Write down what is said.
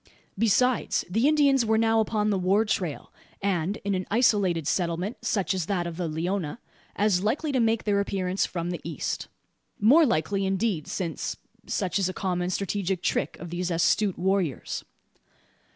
Besides, the Indians were now upon the war trail; and, in an isolated settlement such as that of the Leona, as likely to make their appearance from the east. More likely, indeed, since such is a common strategic trick of these astute warriors.